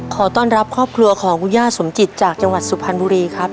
ขอต้อนรับครอบครัวของคุณย่าสมจิตจากจังหวัดสุพรรณบุรีครับ